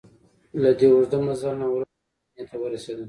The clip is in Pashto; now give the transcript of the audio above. له دې اوږده مزل نه وروسته مدینې ته ورسېدل.